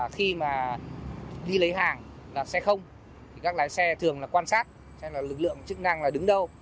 khi mà đi lấy hàng là xe không thì các lái xe thường là quan sát xem là lực lượng chức năng là đứng đầu